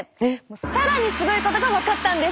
更にすごいことが分かったんです。